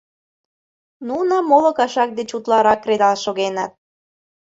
Нуно моло кашак деч утларак кредал шогеныт.